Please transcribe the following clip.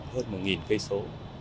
hơn một cây số